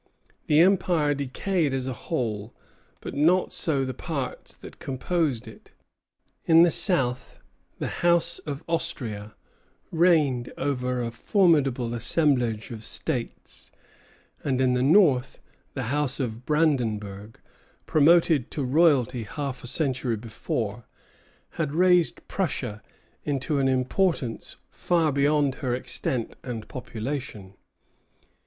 The Empire decayed as a whole; but not so the parts that composed it. In the south the House of Austria reigned over a formidable assemblage of states; and in the north the House of Brandenburg, promoted to royalty half a century before, had raised Prussia into an importance far beyond her extent and population.